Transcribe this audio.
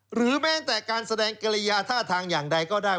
หรือแม้แต่การแสดงกริยาท่าทางอย่างใดก็ได้